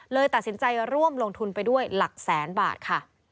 เลยตัดสินใจร่วมลงทุนไปด้วยหลักแสนบาทค่ะ